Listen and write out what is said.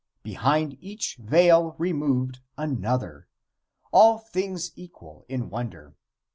Behind each veil removed, another. All things equal in wonder.